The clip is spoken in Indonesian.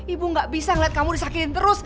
ibu gak bisa ngeliat kamu disakin terus